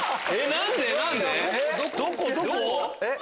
何で？